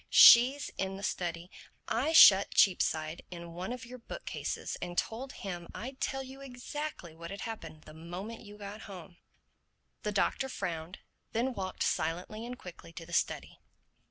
She's in the study. I shut Cheapside in one of your book cases and told him I'd tell you exactly what had happened the moment you got home." The Doctor frowned, then walked silently and quickly to the study.